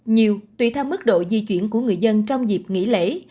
nhiều tùy theo mức độ di chuyển của người dân trong dịp nghỉ lễ